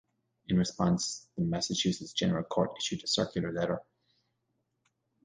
In response, the Massachusetts General Court issued a circular letter.